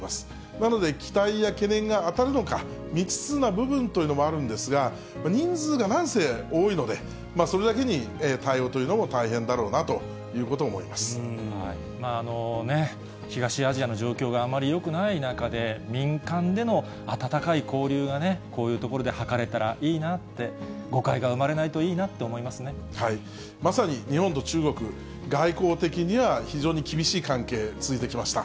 なので、期待や懸念が当たるのか、未知数な部分というのもあるんですが、人数がなんせ多いので、それだけに対応というのも大変だろうなと東アジアの状況があまりよくない中で、民間での温かい交流がね、こういうところで図れたらいいなって、誤解が生まれないといいなまさに日本と中国、外交的には非常に厳しい関係、続いてきました。